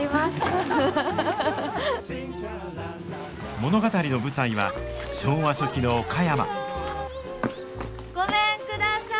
物語の舞台は昭和初期の岡山ごめんください。